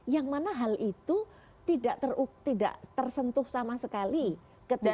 yang mana hal itu tidak tersentuh sama sekali ketika